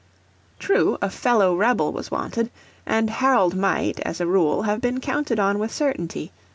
True, a fellow rebel was wanted; and Harold might, as a rule, have been counted on with certainty.